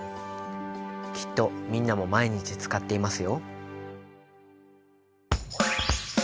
きっとみんなも毎日使っていますよ。